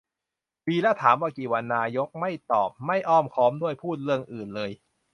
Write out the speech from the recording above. วีระถามว่า กี่วัน นายกไม่ตอบ ไม่อ้อมค้อมด้วย พูดเรื่องอื่นเลย !